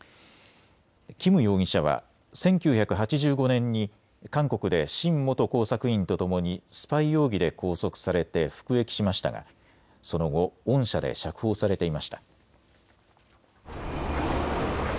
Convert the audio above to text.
金容疑者は１９８５年に韓国で辛元工作員とともにスパイ容疑で拘束されて服役しましたがその後、恩赦で釈放されていました。